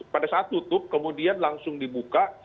pada saat tutup kemudian langsung dibuka